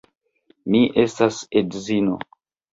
Mi estas edzino.